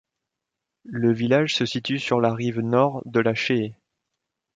Le village se situe sur la rive nord de la Chée.